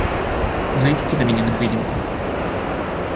Зайдзіце да мяне на хвілінку.